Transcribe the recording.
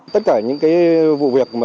tất cả những vụ việc